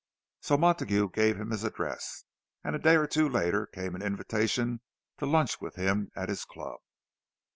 So Montague gave him his address, and a day or two later came an invitation to lunch with him at his club.